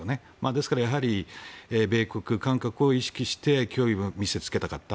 ですから、米国、韓国を意識して脅威を見せつけたかった。